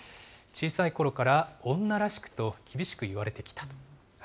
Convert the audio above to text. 小さいころから女らしくと厳しく言われてきた。